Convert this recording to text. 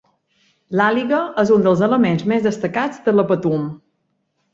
L'Àliga és un dels elements més destacats de la Patum.